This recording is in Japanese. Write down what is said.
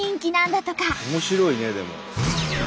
面白いねでも。